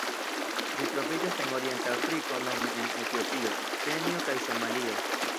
Ĝi troviĝas en Orienta Afriko nome en Etiopio, Kenjo kaj Somalio.